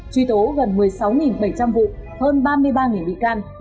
truy tố gần một mươi sáu bảy trăm linh vụ hơn ba mươi ba bị can